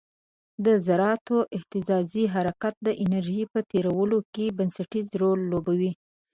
د ذراتو اهتزازي حرکت د انرژي په تیرولو کې بنسټیز رول لوبوي.